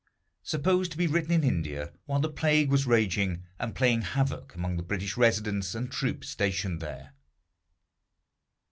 [Supposed to be written in India, while the plague was raging, and playing havoc among the British residents and troops stationed there.